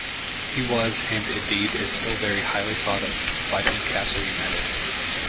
He was and indeed is still very highly thought of by Newcastle United.